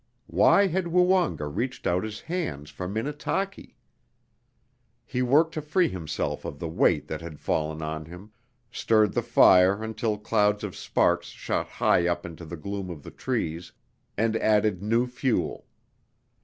Why had Woonga reached out his hands for Minnetaki? He worked to free himself of the weight that had fallen on him, stirred the fire until clouds of sparks shot high up into the gloom of the trees, and added new fuel.